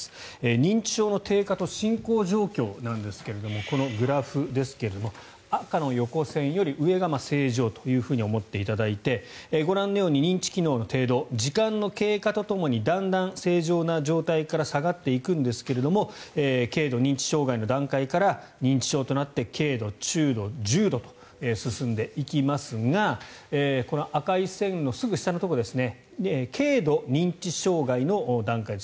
認知機能の低下と進行状況なんですがこのグラフですが赤の横線より上が正常と思っていただいてご覧のように認知機能の程度時間の経過とともにだんだん正常な状態から下がっていくんですが軽度認知障害の段階から認知症となって軽度、中度、重度と進んでいきますがこの赤い線のすぐ下のところ軽度認知障害の段階です。